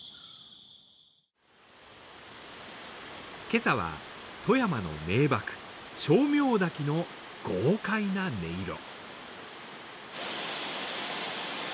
今朝は、富山の名ばく、称名滝の豪快な音色。